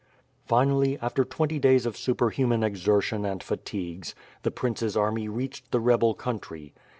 Finally, after twenty days of superhuman exertion and fatigues, the prince's army reached the rebel country.